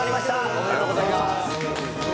おめでとうございます。